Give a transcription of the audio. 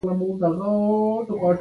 د غلجیو نوم یادوي.